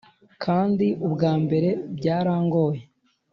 kandi ubwambere byarangoye